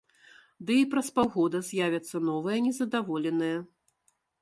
Ды і праз паўгода з'явяцца новыя незадаволеныя.